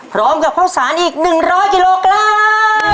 พร้อมกับข้าวสารอีก๑๐๐กิโลกรัม